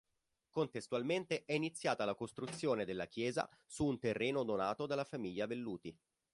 Contestualmente è iniziata la costruzione della chiesa su un terreno donato dalla famiglia Velluti.